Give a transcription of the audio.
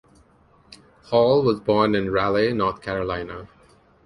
Hall was born in Raleigh, North Carolina.